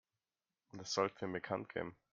Das sollten wir bekanntgeben.